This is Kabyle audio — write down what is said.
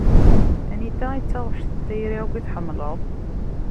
Anita i d taɣect n tayri akk i tḥemmleḍ?